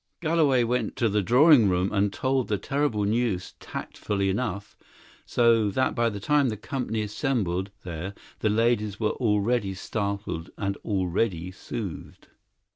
Galloway went to the drawing room and told the terrible news tactfully enough, so that by the time the company assembled there the ladies were already startled and already soothed.